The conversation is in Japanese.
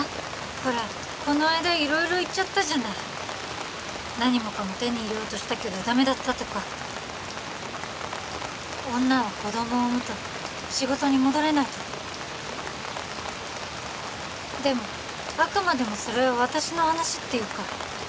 ほらこの間色々言っちゃったじゃない何もかも手に入れようとしたけどダメだったとか女は子供を産むと仕事に戻れないとかでもあくまでもそれは私の話っていうか